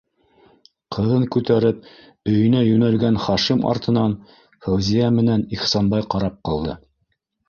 Ҡыҙын күтәреп өйөнә йүнәлгән Хашим артынан Фәүзиә менән Ихсанбай ҡарап ҡалды.